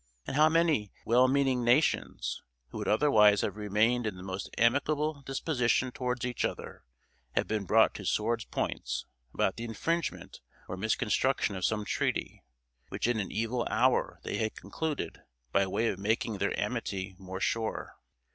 and how many well meaning nations, who would otherwise have remained in the most amicable disposition towards each other, have been brought to swords' points about the infringement or misconstruction of some treaty, which in an evil hour they had concluded, by way of making their amity more sure!